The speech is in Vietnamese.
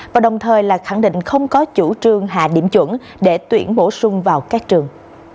và đồng thời là khẳng định không có chủ trương hạ điểm chuẩn để tuyển bổ sung vào các trường